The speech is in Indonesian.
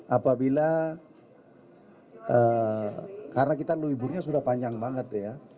apabila karena kita liburnya sudah panjang banget ya